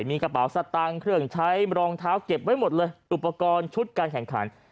มีกระเป๋าสตางค์เครื่องใช้รองเท้าเก็บไว้หมดเลยอุปกรณ์ชุดการแข่งขัน